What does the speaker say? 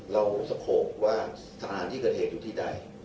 เราสโขกว่าสถานที่เกิดเหตุอยู่ที่ใด